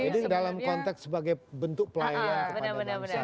jadi dalam konteks sebagai bentuk playa kepada bangsa